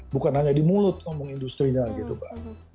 bukan hanya di mulut ngomong industri nya gitu mbak